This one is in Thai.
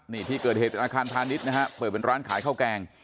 นี่ที่เกิดเหตุเป็นอาคารพาณิชย์นะฮะเปิดเป็นร้านขายข้าวแกง